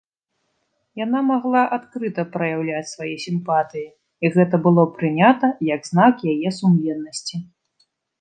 Яна магла адкрыта праяўляць свае сімпатыі, і гэта было прынята як знак яе сумленнасці.